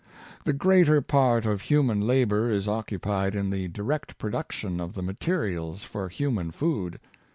The greater part of human labor is occupied in the direct production of the materials for human food.